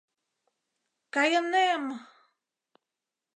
— Кайынем-м...